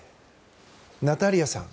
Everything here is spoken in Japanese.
ナタリアさん